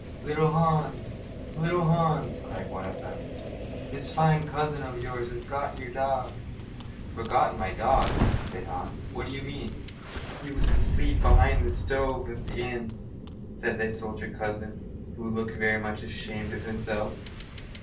"Little Hans! Little Hans!" cried one of them, "this fine cousin of yours has forgotten your dog." "Forgotten my dog!" said Hans. "What do you mean?" "He was asleep behind the stove at the inn," said the soldier cousin, who looked very much ashamed of himself.